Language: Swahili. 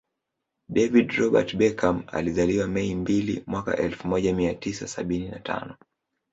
David Robert Beckham alizaliwa Mei Mbili mwaka elfu moja mia tisa sabini na tano